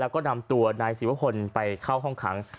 แล้วก็นำตัวนายศิวพลไปเข้าห้องขัง